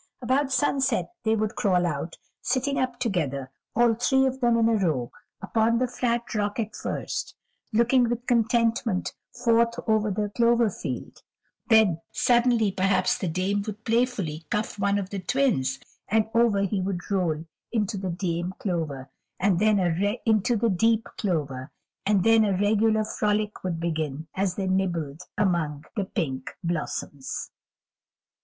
About sunset they would all crawl out, sitting up together, all three of them in a row, upon the flat rock at first, looking with contentment forth over the clover field; then, suddenly, perhaps the Dame would playfully cuff one of the Twins, and over he would roll into the deep clover, and then a regular frolic would begin, as they nibbled among the pink blossoms.